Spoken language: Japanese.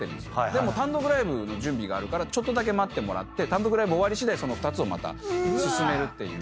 でも単独ライブの準備があるからちょっとだけ待ってもらって単独ライブ終わりしだいその２つをまた進めるっていう。